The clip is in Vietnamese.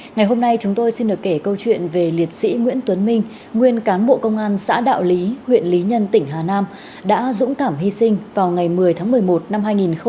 ngày hôm nay chúng tôi xin được kể câu chuyện về liệt sĩ nguyễn tuấn minh nguyên cán bộ công an xã đạo lý huyện lý nhân tỉnh hà nam đã dũng cảm hy sinh vào ngày một mươi tháng một mươi một năm hai nghìn hai mươi ba